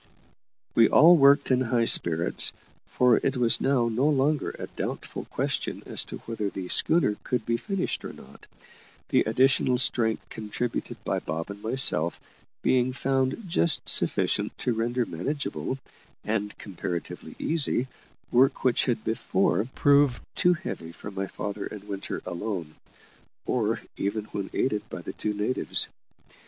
We all worked in high spirits, for it was now no longer a doubtful question as to whether the schooner could be finished or not, the additional strength contributed by Bob and myself being found just sufficient to render manageable, and comparatively easy, work which had before proved too heavy for my father and Winter alone, or even when aided by the two natives.